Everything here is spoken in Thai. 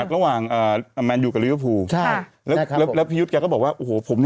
อุตส่าห์นั่งดูถึงเที่ยงคืนแต่เช้า๖โมงพี่ยุทธ์มาอ่านข่าวแล้วนะ